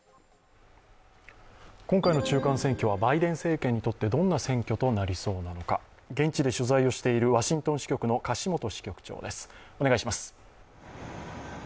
今回の中間選挙はバイデン政権にとってどんな選挙となりそうなのか現地で取材をしているワシントン支局長の樫元支局長です。